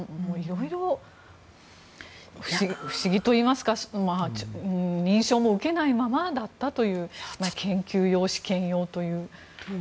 色々、不思議と言いますか認証も受けないままだったという研究用、試験用という。